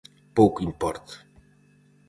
Pouco importa.